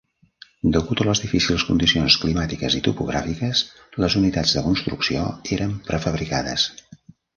Degut a les difícils condicions climàtiques i topogràfiques, les unitats de construcció eren prefabricades.